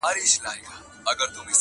اوس به څوك له قلندره سره ژاړي،